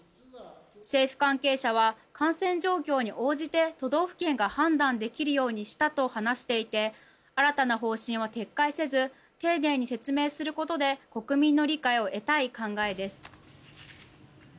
政府関係者は感染状況に応じて都道府県が判断できるようにしたと話していて新たな方針は撤回せず丁寧に説明することで国民の理解を得たい考えです。